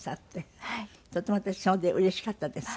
とても私それでうれしかったです。